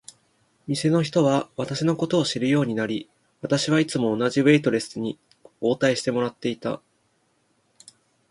店の人は私のことを知るようになり、私はいつも同じウェイトレスに応対してもらっていた。